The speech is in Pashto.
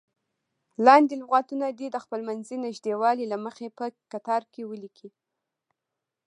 لاندې لغتونه دې د خپلمنځي نږدېوالي له مخې په کتار کې ولیکئ.